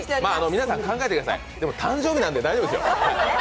皆さん考えてください、誕生日なんで大丈夫ですよ。